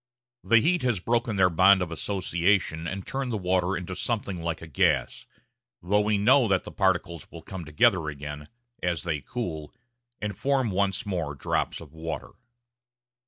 The heat has broken their bond of association and turned the water into something like a gas; though we know that the particles will come together again, as they cool, and form once more drops of water.